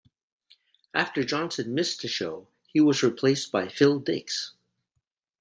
After Johnson missed a show, he was replaced by Phil Dix.